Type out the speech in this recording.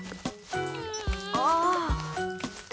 ああ。